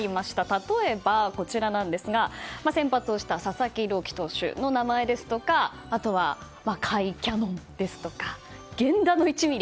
例えば、先発をした佐々木朗希投手の名前ですとかあとは、甲斐キャノンですとか源田の１ミリ。